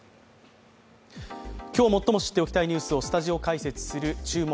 今日、最も知っておきたいニュースをスタジオ解説する「注目！